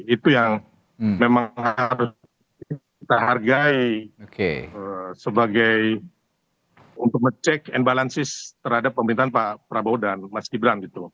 itu yang memang harus kita hargai sebagai untuk ngecek and balances terhadap pemerintahan pak prabowo dan mas gibran gitu